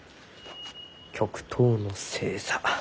「極東の星座」。